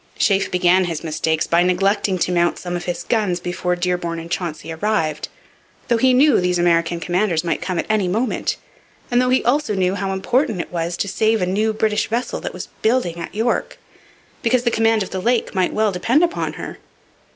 Sheaffe began his mistakes by neglecting to mount some of his guns before Dearborn and Chauncey arrived, though he knew these American commanders might come at any moment, and though he also knew how important it was to save a new British vessel that was building at York, because the command of the lake might well depend upon her.